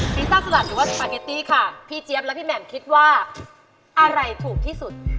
ีต้าสลัดหรือว่าสปาเกตตี้ค่ะพี่เจี๊ยบและพี่แหม่มคิดว่าอะไรถูกที่สุด